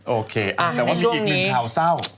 โอเคแต่ว่ามีอีกหนึ่งข่าวเศร้า